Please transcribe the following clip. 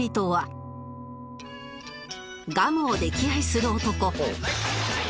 ガムを溺愛する男